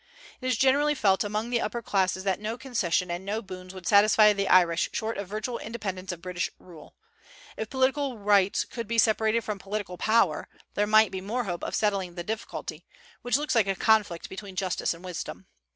It is generally felt among the upper classes that no concession and no boons would satisfy the Irish short of virtual independence of British rule. If political rights could be separated from political power there might be more hope of settling the difficulty, which looks like a conflict between justice and wisdom.